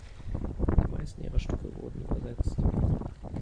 Die meisten ihrer Stücke wurden übersetzt.